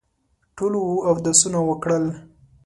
ټولو اودسونه وکړل.